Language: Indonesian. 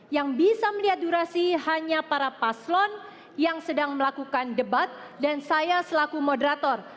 yang bisa melihat durasi hanya para paslon yang sedang melakukan debat dan saya selaku moderator